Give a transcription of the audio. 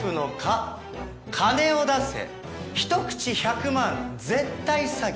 「金を出せひとくち１００万絶対詐欺」